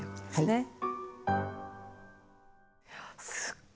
はい。